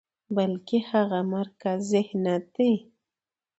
بلکې هغه مرکزي ذهنيت دى،